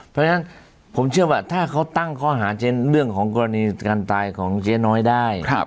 เพราะฉะนั้นผมเชื่อว่าถ้าเขาตั้งข้อหาเรื่องของกรณีการตายของเจ๊น้อยได้